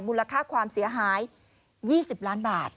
มูลค่าความเสียหาย๒๐ล้านบาท